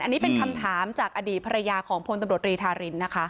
อันนี้เป็นคำถามจากอดีตภรรยาของพลตำรวจรีธารินนะคะ